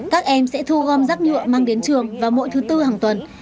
các em sẽ thu gom rác nhựa mang đến trường vào mỗi thứ tư hàng tuần